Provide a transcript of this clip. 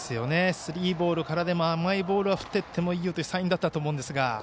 スリーボールからでも甘いボールは振っていいというサインだったと思うんですが。